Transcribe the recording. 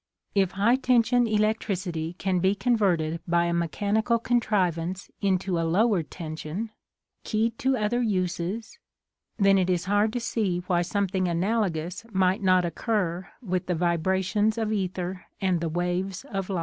If high ten sion electricity can be converted by a me chanical contrivance into a lower tension, keyed to other uses, then it is hard to see why something analogous might not occur with the vibrations of ether and the waves of light.